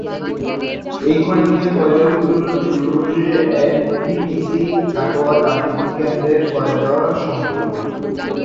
এই খনি থেকে কয়লা উত্তোলন শুরু হলে এনটিপিসি-কাটোয়া তাপবিদ্যুৎ কেন্দ্রের কয়লা দেওয়া সম্ভব হবে।